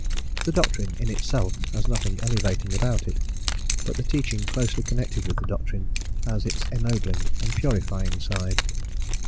The doctrine, in itself, has nothing elevating about it, but the teaching closely connected with the doctrine has its ennobling and purifying side.